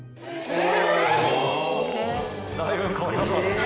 おだいぶ変わりましたね。